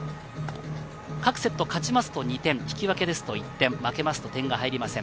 各セット勝ちますと２点、引き分けですと１点、負けますと点が入りません。